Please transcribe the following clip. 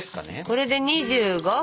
これで２５分。